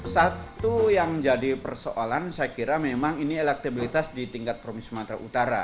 satu yang jadi persoalan saya kira memang ini elektabilitas di tingkat provinsi sumatera utara